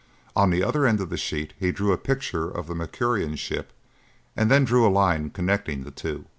On the other end of the sheet he drew a picture of the Mercurian ship, and then drew a line connecting the two.